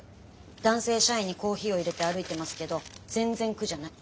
男性社員にコーヒーをいれて歩いてますけど全然苦じゃない。